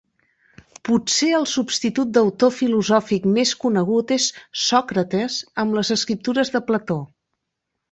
Potser el substitut d'autor filosòfic més conegut és Sòcrates amb les escriptures de Plató.